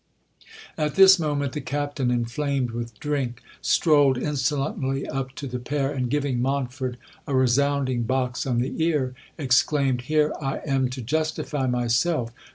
At this moment the Captain, inflamed with drink, strolled insolently up to the pair, and, giving Montford a resounding box on the ear, exclaimed, "Here I am to justify myself.